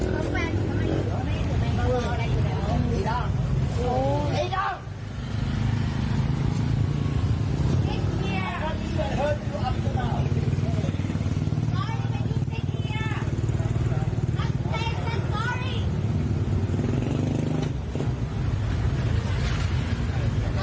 บ้าเพ้งสมัยดูก่อนฉันคิดอะไรอยู่ที่เล่า